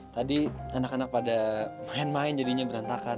tadi anak anak pada main main jadinya berantakan